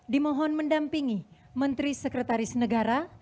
dimohon mendampingi menteri sekretaris negara